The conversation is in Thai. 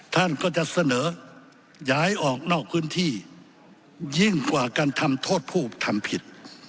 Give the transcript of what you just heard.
ท่านก็จะเสนอย้ายออกนอกพื้นที่ยิ่งกว่าการทำโทษผู้ทำผิด